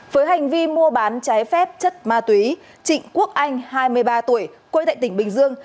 với hành vi mua bán trái phép chất ma túy trịnh quốc anh hai mươi ba tuổi quê tại tỉnh bình dương